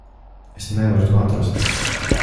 Es nevaru to atrast.